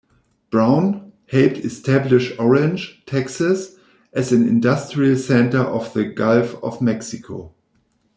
Brown, helped establish Orange, Texas, as an industrial center on the Gulf of Mexico.